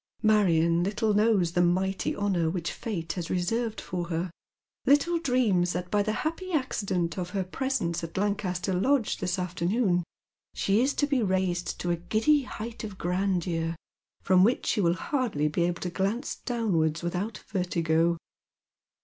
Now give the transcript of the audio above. " Marion little knows the mighty honour which fate has reserved for her — little dreams that by the happy accident of her presence at Lancaster Lodge this afternoon she is to be raised to a giddy height of grandeur, from which she will hardly be able to glance downwards without vertigo.